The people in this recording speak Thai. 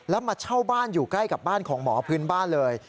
แล้วมาเช่าบ้านอยู่ใกล้กับบ้านของหมอพื้นบ้านเลย